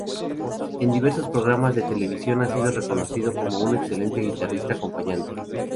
En diversos programas de televisión ha sido reconocido como un excelente guitarrista acompañante.